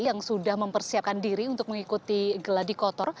yang sudah mempersiapkan diri untuk mengikuti geladi kotor